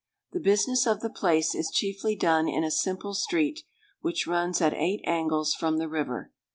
The business of the place is chiefly done in a simple street, which runs at eight angles from the river.